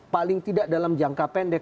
paling tidak dalam jangka pendek